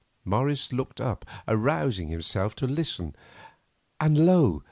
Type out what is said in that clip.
Morris looked up arousing himself to listen, and lo!